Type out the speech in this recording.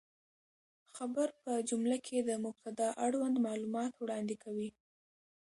خبر په جمله کښي د مبتداء اړوند معلومات وړاندي کوي.